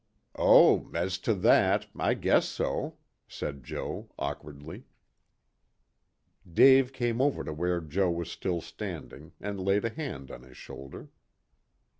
"Oh, as to that I guess so," said Joe awkwardly. Dave came over to where Joe was still standing, and laid a hand on his shoulder.